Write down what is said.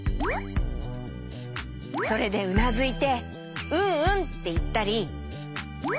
それでうなずいて「うんうん」っていったり。